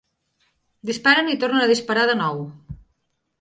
Disparen i tornen a disparar de nou.